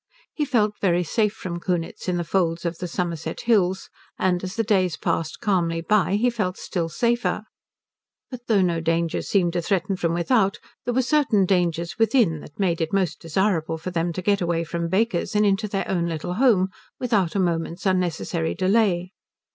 He felt very safe from Kunitz in the folds of the Somerset hills, and as the days passed calmly by he felt still safer. But though no dangers seemed to threaten from without there were certain dangers within that made it most desirable for them to get away from Baker's and into their own little home without a moment's unnecessary delay.